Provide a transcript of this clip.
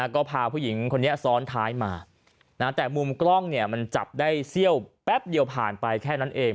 ก็พาผู้หญิงคนนี้ซ้อนท้ายมาแต่มุมกล้องเนี่ยมันจับได้เซี่ยวแป๊บเดียวผ่านไปแค่นั้นเอง